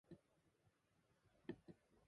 "Gamaliel" is a Hebrew name meaning "reward of God".